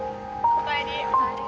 おかえり。